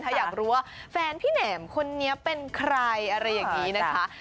ถ้าอยากรู้ว่าแฟนพี่แหนมคนนี้เป็นใครอะไรอย่างนี้นะคะ